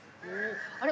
あれ？